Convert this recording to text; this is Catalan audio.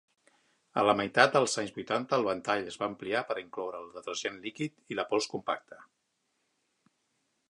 A la meitat dels anys vuitanta el ventall es va ampliar per incloure el detergent líquid i la pols compacta.